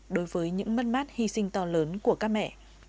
đối với những mất mát hy sinh to lớn của các mẹ